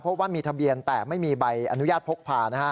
เพราะว่ามีทะเบียนแต่ไม่มีใบอนุญาตพกพานะฮะ